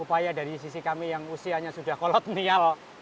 upaya dari sisi kami yang usianya sudah kolot nial